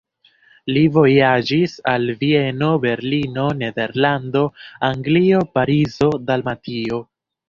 Li vojaĝis al Vieno, Berlino, Nederlando, Anglio, Parizo, Dalmatio.